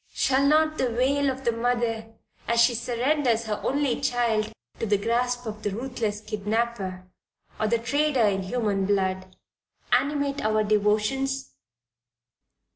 Shall not the wail of the mother as she surrenders her only child to the grasp of the ruthless kidnapper, or the trader in human blood, animate our devotions.